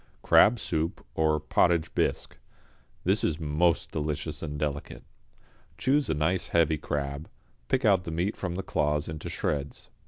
=Crab Soup, or Potage Bisque.= This is most delicious and delicate. Choose a nice heavy crab, pick out the meat from the claws into shreds.